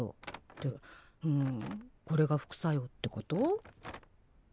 ってふんこれが副作用ってこと？